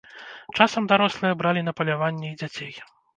Часам дарослыя бралі на паляванне і дзяцей.